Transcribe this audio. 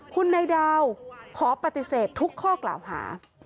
คุณนายดาวขอปฏิเสธทุกข้อกล่าวหา